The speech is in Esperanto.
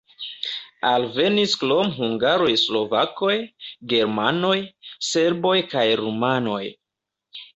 Alvenis krom hungaroj slovakoj, germanoj, serboj kaj rumanoj.